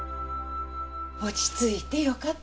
・落ち着いてよかった